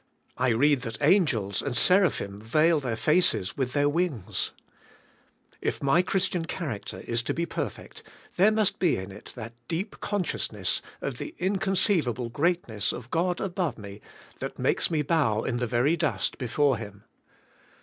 I read that ang^els and seraphim veil their faces with their wing s; if my Christian character is to be per fect there must be in it that deep consciousness of the inconceivable g"reatness of God above me that makes me bow in the very dust before Him.